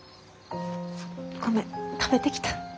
ごめん食べてきた。